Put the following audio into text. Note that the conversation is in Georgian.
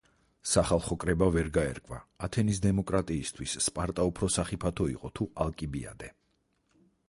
სახალხო კრება ვერ გაერკვა, ათენის დემოკრატიისთვის სპარტა უფრო სახიფათო იყო, თუ ალკიბიადე.